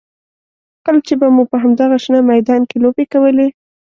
کله چې به مو په همدغه شنه میدان کې لوبې کولې.